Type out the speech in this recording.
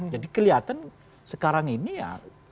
jadi kelihatan sekarang ini ya